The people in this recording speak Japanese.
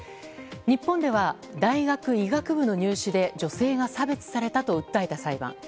日本では、大学医学部の入試で女性が差別されたと訴えた裁判。